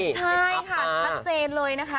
ใช่ค่ะชัดเจนเลยนะคะ